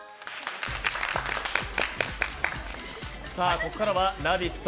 ここからは「ラヴィット！